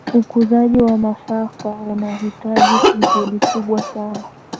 ukuzaji wa masafa unahitaji juhudi kubwa sana